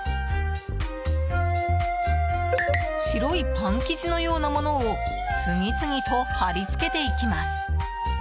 白いパン生地のようなものを次々と貼り付けていきます。